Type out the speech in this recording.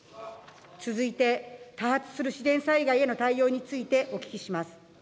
続いて多発する自然災害への対応についてお聞きします。